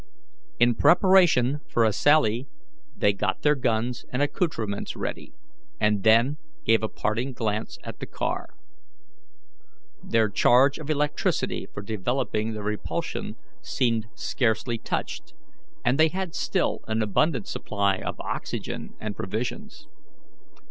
In preparation for a sally, they got their guns and accoutrements ready, and then gave a parting glance at the car. Their charge of electricity for developing the repulsion seemed scarcely touched, and they had still an abundant supply of oxygen and provisions.